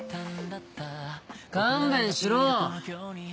勘弁しろ。